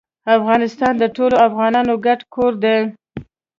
افغانستان د ټولو افغانانو ګډ کور دی